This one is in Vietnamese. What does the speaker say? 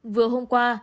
vừa hôm qua